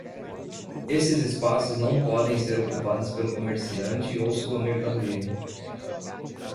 Esses espaços não podem ser ocupados pelo comerciante ou sua mercadoria.